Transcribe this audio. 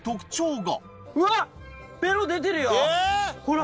ほら！